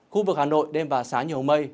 khu vực hà nội đêm và sáng nhiều mây